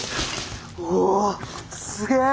おおすげえ！